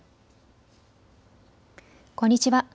こんにちは。